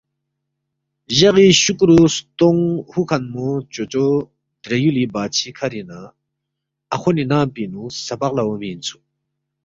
جغی شُکرُو ستونگ ہُوکھنمو چوچو درے یُولی بادشی کھرِنگ نہ اَخونی ننگ پِنگ نُو سبق لہ اونگمی اِنسُوک